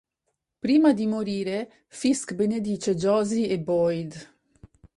Prima di morire, Fisk benedice Josie e Boyd.